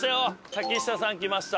滝下さんきました。